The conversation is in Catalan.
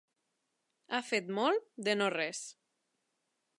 Ha fet molt de no res.